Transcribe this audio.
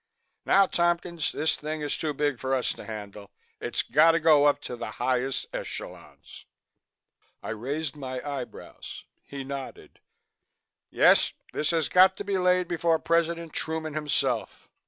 Now Tompkins, this thing is too big for us to handle. It's got to go up to the highest echelons." I raised my eyebrows. He nodded. "Yes, this has got to be laid before President Truman himself.